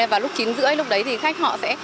và lúc chín h ba mươi lúc đấy thì khách họ sẽ